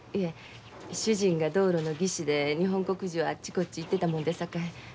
主人が道路の技師で日本国中あっちこっち行ってたもんですさかい。